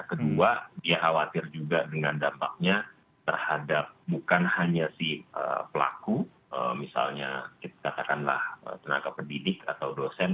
kedua dia khawatir juga dengan dampaknya terhadap bukan hanya si pelaku misalnya katakanlah tenaga pendidik atau dosen